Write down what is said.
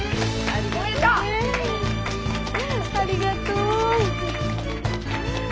ありがとう。